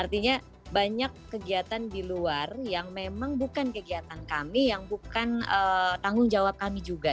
artinya banyak kegiatan di luar yang memang bukan kegiatan kami yang bukan tanggung jawab kami juga